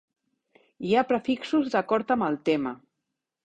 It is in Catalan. Hi ha prefixos d'acord amb el tema.